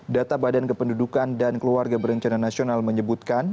data badan kependudukan dan keluarga berencana nasional menyebutkan